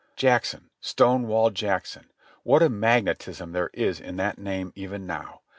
Jackson ! Stonewall Jackson ! What a magnetism there is in that name even now.